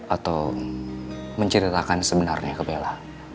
atau menceritakan sebenarnya ke bella